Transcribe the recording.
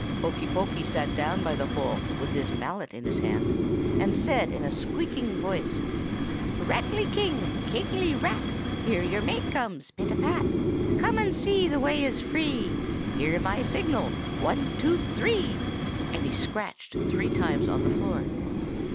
Hokey Pokey sat down by the hole, with his mallet in his hand, and said in a squeaking voice,— 'Ratly King! Kingly Rat! Here your mate comes pit a pat. Come and see; the way is free; Hear my signal: one! two! three!' And he scratched three times on the floor.